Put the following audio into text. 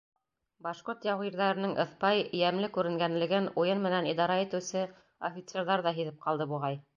Башҡорт яугирҙәренең ыҫпай, йәмле күренгәнлеген уйын менән идара итеүсе офицерҙар ҙа һиҙеп ҡалды, буғай.